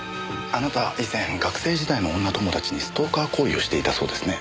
あなたは以前学生時代の女友達にストーカー行為をしていたそうですね。